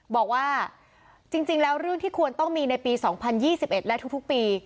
บอกว่าจริงแล้วเรื่องที่ควรต้องมีในปี๒๐๒๑และทุกปี